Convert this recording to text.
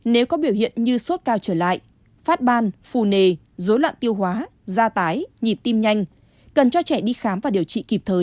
nếu có biểu hiện như sốt cao trở lại phát ban phù nề dối loạn tiêu hóa da tái nhịp tim nhanh cần cho trẻ đi khám và điều trị kịp thời